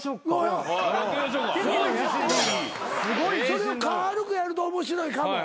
それを軽くやると面白いかも。